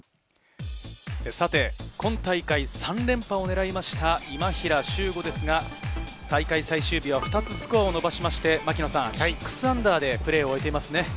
今大会３連覇を狙いました今平周吾ですが大会最終日は２つスコアを伸ばしまして−６でプレーを終えていますね。